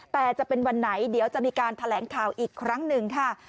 แต่จะเป็นวันไหนเดี๋ยวจะมีการแถลงข่าวอีกครั้งหนึ่งค่ะ